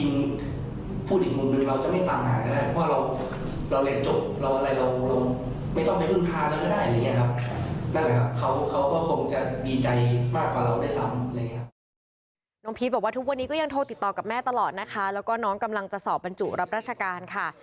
พี่พีชบอกว่าทุกวันนี้ก็ยังโทรติดต่อกับแม่ตลอดนะคะแล้วก็น้องกำลังจะสอบบรรจุรับราชการค่ะ